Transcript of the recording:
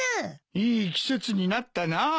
いい季節になったな。